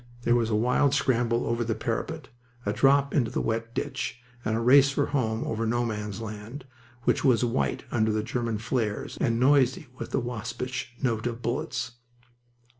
There was a wild scramble over the parapet, a drop into the wet ditch, and a race for home over No Man's Land, which was white under the German flares and noisy with the waspish note of bullets.